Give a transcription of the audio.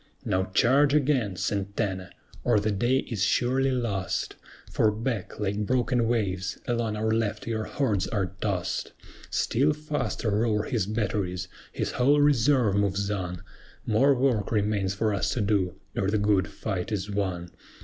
Now charge again, SANTANA! or the day is surely lost For back, like broken waves, along our left your hordes are tossed. Still faster roar his batteries, his whole reserve moves on; More work remains for us to do, ere the good fight is won.